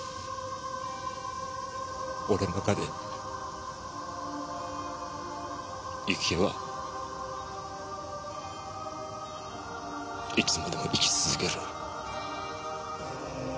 俺の中で雪絵はいつまでも生き続ける。